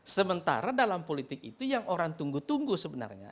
sementara dalam politik itu yang orang tunggu tunggu sebenarnya